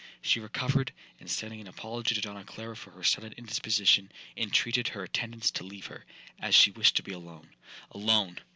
'She recovered; and sending an apology to Donna Clara for her sudden indisposition, intreated her attendants to leave her, as she wished to be alone. Alone!